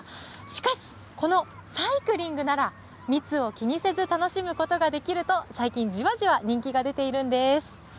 しかし、このサイクリングなら、密を気にせずに楽しむことができると、最近、じわじわ人気が出ているんです。